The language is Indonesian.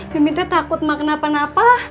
bimbing takut makan apa apa